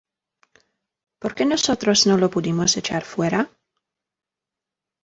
¿Por qué nosotros no lo pudimos echar fuera?